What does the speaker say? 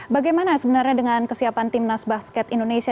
bagaimana sebenarnya dengan kesiapan timnas basket indonesia